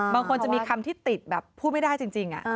บางคนจะมีคำที่ติดแบบพูดไม่ได้จริง